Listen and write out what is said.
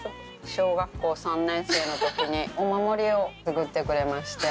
小学校３年生の時にお守りを作ってくれまして。